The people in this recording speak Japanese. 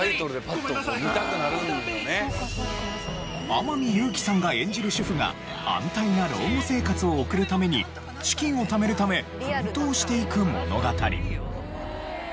天海祐希さんが演じる主婦が安泰な老後生活を送るために資金をためるため奮闘していく物語。